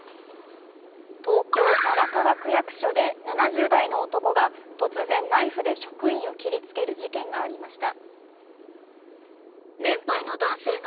東京・荒川区役所で７０代の男が突然、職員を切りつける事件がありました。